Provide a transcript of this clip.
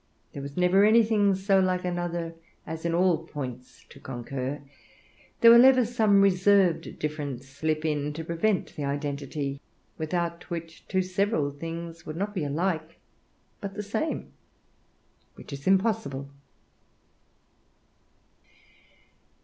There was never anything so like another as in all points to concur; there will ever some reserved difference slip in, to prevent the identity, without which two several things would not be alike, but the same, which is impossible.